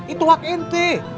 itu hak ente